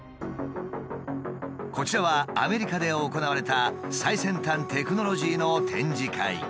こちらはアメリカで行われた最先端テクノロジーの展示会。